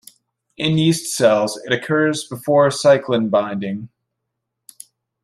In yeast cells, it occurs before cyclin binding.